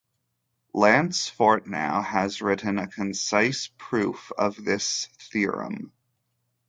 Lance Fortnow has written a concise proof of this theorem.